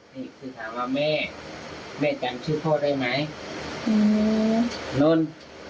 นี่คือถามว่าแม่แม่จำชื่อพ่อได้ไหมอืมนนท์